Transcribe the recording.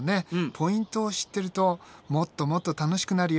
ポイントを知ってるともっともっと楽しくなるよ。